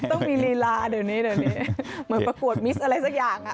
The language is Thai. ต้องมีลีลาเดี๋ยวนี้เดี๋ยวนี้เหมือนประกวดมิสอะไรสักอย่าง